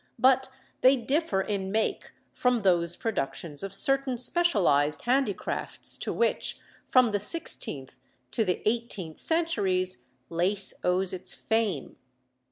But they differ in make from those productions of certain specialised handicrafts to which from the sixteenth to the eighteenth centuries lace owes its fame.